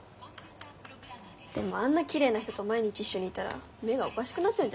でもあんなきれいな人と毎日一緒にいたら目がおかしくなっちゃうんじゃないの？